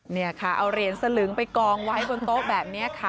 นี่ค่ะเอาเหรียญสลึงไปกองไว้บนโต๊ะแบบนี้ค่ะ